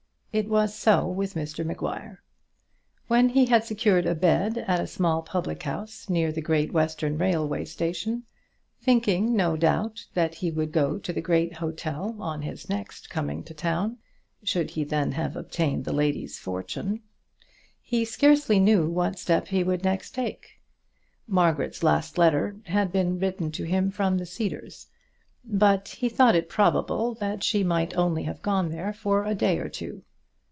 It was so with Mr Maguire. When he had secured a bed at a small public house near the Great Western railway station, thinking, no doubt that he would go to the great hotel on his next coming to town, should he then have obtained the lady's fortune, he scarcely knew what step he would next take. Margaret's last letter had been written to him from the Cedars, but he thought it probable that she might only have gone there for a day or two.